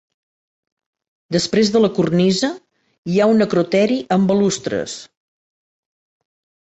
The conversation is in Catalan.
Després de la cornisa hi ha un acroteri amb balustres.